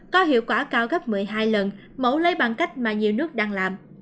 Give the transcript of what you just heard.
có hiệu quả cao gấp một mươi hai lần mẫu lấy bằng cách mà nhiều nước đang làm